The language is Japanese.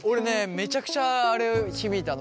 めちゃくちゃあれ響いたの。